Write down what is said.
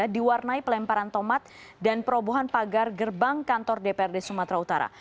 diwarnai pelemparan tomat dan perobohan pagar gerbang kantor dprd sumatera utara